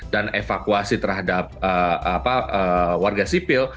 dan evakuasi terhadap warga sipil